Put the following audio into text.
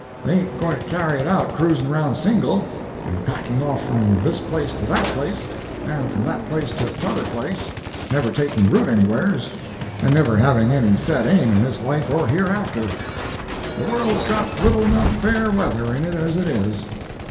They ain't going to carry it out cruisin' around single, and packing off from this place to that place, and from that place to t'other place, never taking root anywheres, and never having any set aim in this life or hereafter. The world's got little enough fair weather in it as it is.